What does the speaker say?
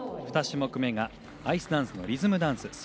２種目めがアイスダンスのリズムダンス。